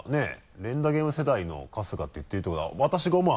「連打ゲーム世代の春日」って言ってるってことは私が思う